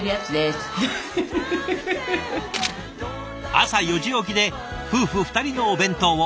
朝４時起きで夫婦２人のお弁当を。